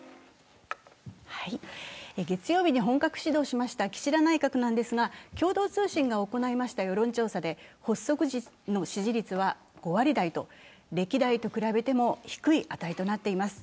月曜日に本格始動しました岸田内閣なんですが共同通信が行いました世論調査で、発足時の支持率は５割台と歴代と比べても低い値となっています。